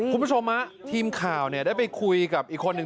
คุณผู้ชมทีมข่าวได้ไปคุยกับอีกคนหนึ่ง